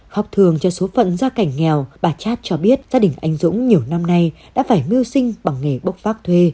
học thường cho số phận gia cảnh nghèo bà chát cho biết gia đình anh dũng nhiều năm nay đã phải mưu sinh bằng nghề bốc vác thuê